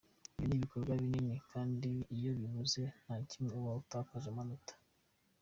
Ibyo ni ibikorwa binini kandi iyo babuze na kimwe uba utakaje amanota.